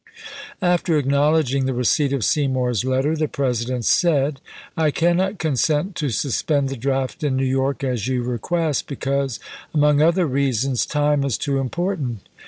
After acknowledg ing the receipt of Seymour's letter, the President said, " I cannot consent to suspend the draft in New York as you request, because, among other reasons, time is too important."